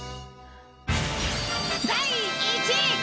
第１位。